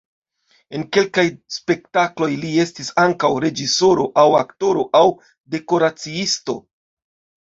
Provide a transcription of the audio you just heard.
En kelkaj spektakloj li estis ankaŭ reĝisoro aŭ aktoro aŭ dekoraciisto.